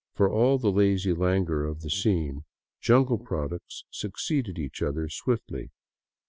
For all the lazy langor of the scene, jungle products succeeded each other swiftly.